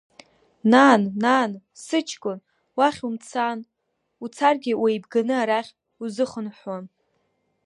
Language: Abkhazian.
Нан, нан, сыҷкәын, уахь умцан, уцаргьы уеибганы арахь узыхынҳәуам.